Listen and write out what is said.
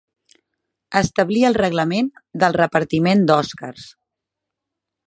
Establia el reglament del repartiment d'òscars.